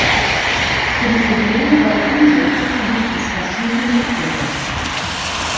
Für die Probleme bei der Umsetzung gibt es verschiedene Ursachen.